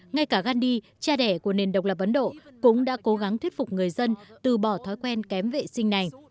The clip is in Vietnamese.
ngay cả gandhi cha đẻ của nền độc lập ấn độ cũng đã cố gắng thuyết phục người dân từ bỏ thói quen kém vệ sinh này